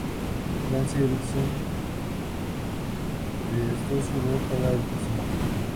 Lance Henriksen prestó su voz para el personaje.